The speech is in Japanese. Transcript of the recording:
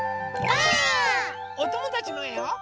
おともだちのえを。